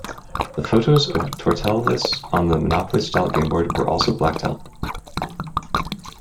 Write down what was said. The photos of Tortelvis on the Monopoly-style gameboard were also blacked out.